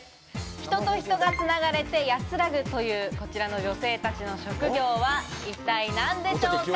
人と人が繋がれて安らぐという、こちらの女性たちの職業は一体何でしょうか？